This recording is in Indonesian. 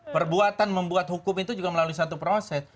perbuatan membuat hukum itu juga melalui satu proses